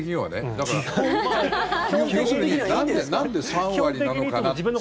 だから、要するになんで３割なのかな。